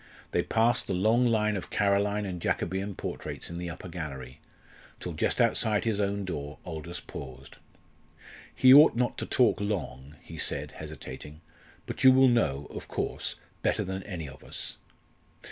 They passed the long line of Caroline and Jacobean portraits in the upper gallery, till just outside his own door Aldous paused. "He ought not to talk long," he said, hesitating, "but you will know of course better than any of us."